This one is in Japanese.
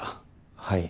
はい。